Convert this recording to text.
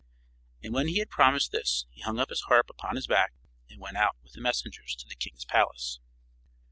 And when he had promised this he hung his harp upon his back and went away with the messengers to the king's palace.